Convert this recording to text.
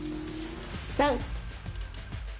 ３！